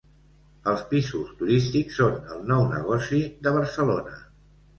Els pisos turístics són el nou negoci de Barcelona.